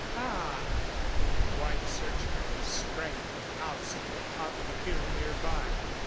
Ah!..." A white search ray sprang from a house at the top of a hill nearby.